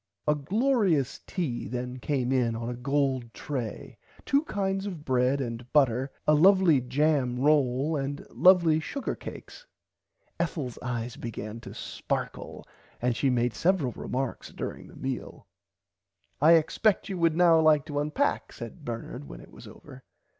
A glorious tea then came in on a gold tray two kinds of bread and butter a lovly jam role and lots of sugar cakes. Ethels eyes began to sparkle and she made several remarks during the meal. I expect [Pg 34] you would now like to unpack said Bernard when it was over.